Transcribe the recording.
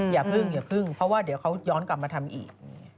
อย่าพึ่งอย่าพึ่งเพราะว่าเดี๋ยวเขาย้อนกลับมาทำอีก